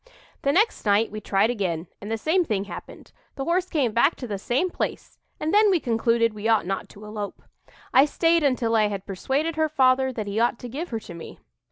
"The next night we tried again, and the same thing happened the horse came back to the same place; and then we concluded we ought not to elope. I stayed until I had persuaded her father that he ought to give her to me.